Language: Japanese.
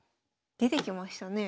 出てきましたね。